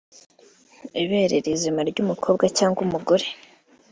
Ibere rizima ry’umukobwa cyangwa umugore